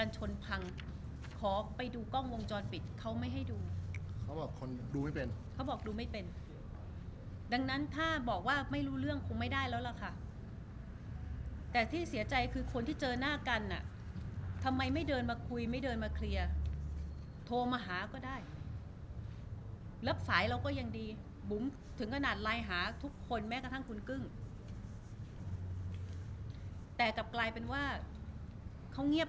ขอไปดูกล้องวงจรปิดเขาไม่ให้ดูเขาบอกคนดูไม่เป็นเขาบอกดูไม่เป็นดังนั้นถ้าบอกว่าไม่รู้เรื่องคงไม่ได้แล้วล่ะค่ะแต่ที่เสียใจคือคนที่เจอหน้ากันอ่ะทำไมไม่เดินมาคุยไม่เดินมาเคลียร์โทรมาหาก็ได้รับสายเราก็ยังดีบุ๋มถึงขนาดไลน์หาทุกคนแม้กระทั่งคุณกึ้งแต่กลับกลายเป็นว่าเขาเงียบ